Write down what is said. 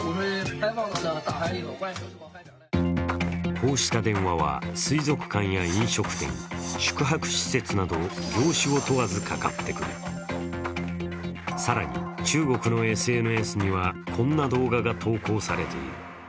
こうした電話は水族館や飲食店宿泊施設など業種を問わずかかってくる、更に中国のＳＮＳにはこんな動画が投稿されている。